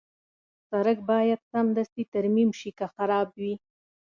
سړک باید سمدستي ترمیم شي که خراب وي.